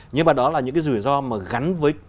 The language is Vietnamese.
nhưng mà đó là những cái rủi ro mà gắn với